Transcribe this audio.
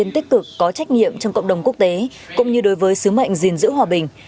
trực có trách nhiệm trong cộng đồng quốc tế cũng như đối với sứ mệnh dình giữ hòa bình